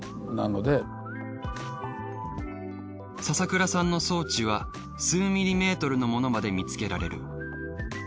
笹倉さんの装置は数ミリメートルのものまで見つけられる。